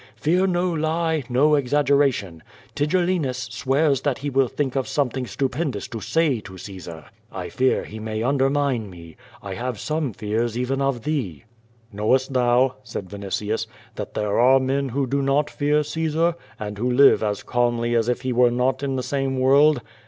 Fear no lie, no exaggeration. Tigellinus swears he will think of some thing stupendous to say to Caesar. I fear he may undermine me. I have some fears even of thee.'^ "Knowest thou," said Vinitius, "that there are men who do not fear Caesar, and who live as calmly as if he were not in the same world?"